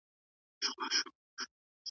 ماشومانو لوبې کولې.